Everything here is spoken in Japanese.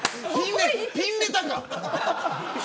ピンネタか。